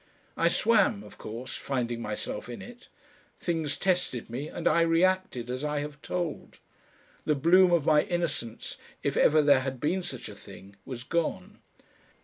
I swam, of course finding myself in it. Things tested me, and I reacted, as I have told. The bloom of my innocence, if ever there had been such a thing, was gone.